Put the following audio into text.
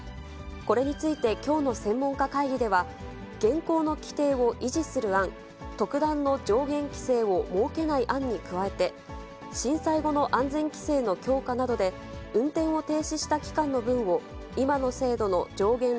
これについてきょうの専門家会議では、現行の規定を維持する案、特段の上限規制を設けない案に加えて、震災後の安全規制の強化などで、運転を停止した期間の分を今の制度の上限